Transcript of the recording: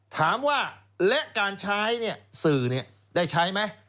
ถามว่าและการใช้สื่อได้ใช้ไหม